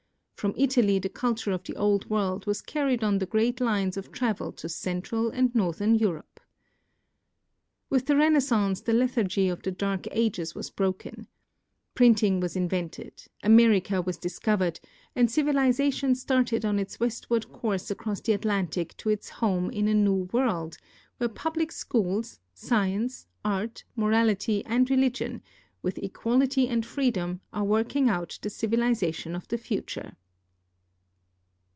From Italy the culture of the Old World was carried on the great lines of travel to central and northern Europe. With the Renaissance the lethargy of the Dark Ages was broken. Printing was invented, America was discovered, and civilization started on its westward course across the Atlantic to its home in a new world, where public schools, science, art, mo rality, and religion, with equality and freedom, are working out the civilization of the future.